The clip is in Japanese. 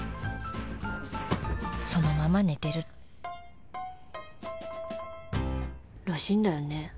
［そのまま寝てる］らしいんだよね。